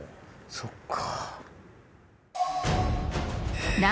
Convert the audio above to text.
そっか。